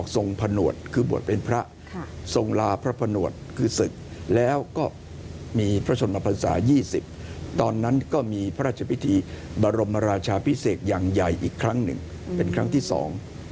ตอนนั้นก็มีพระราชพิธีบรรมราชาพิเศษอย่างใหญ่อีกครั้งหนึ่งเป็นครั้งที่สอง